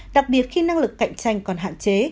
đặc biệt khi năng lực cạnh tranh còn hạn chế